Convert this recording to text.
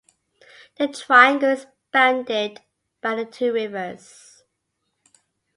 The "triangle" is bounded by the two rivers.